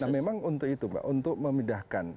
nah memang untuk itu untuk memindahkan